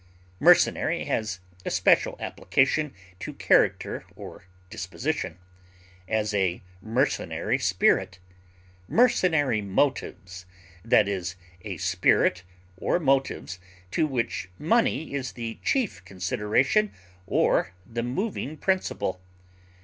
Mercenary has especial application to character or disposition; as, a mercenary spirit; mercenary motives i. e., a spirit or motives to which money is the chief consideration or the moving principle.